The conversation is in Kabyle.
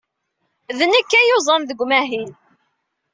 D nekk ay yuẓan deg umahil-a.